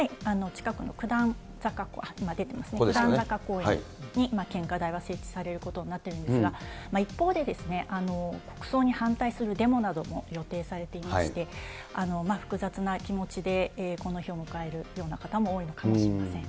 近くの九段坂、今出てますね、九段坂公園に献花台は設置されることになっているんですが、一方で、国葬に反対するデモなども予定されていまして、複雑な気持ちでこの日を迎えるような方も多いのかもしれません。